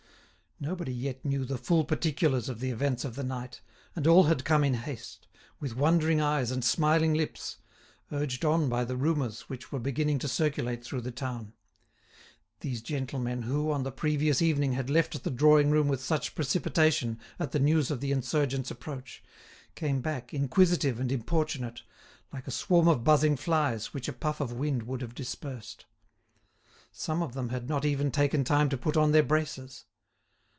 Nobody yet knew the full particulars of the events of the night, and all had come in haste, with wondering eyes and smiling lips, urged on by the rumours which were beginning to circulate through the town. These gentlemen who, on the previous evening, had left the drawing room with such precipitation at the news of the insurgents' approach, came back, inquisitive and importunate, like a swarm of buzzing flies which a puff of wind would have dispersed. Some of them had not even taken time to put on their braces.